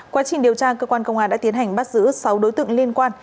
quá trình điều tra cơ quan công an đã tiến hành bắt giữ sáu đối tượng liên quan